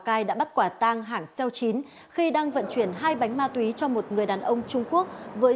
cai đã bắt quả tang hẳng xeo chín khi đang vận chuyển hai bánh ma túy cho một người đàn ông trung quốc với